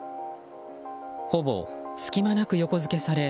ほぼ隙間なく横付けされ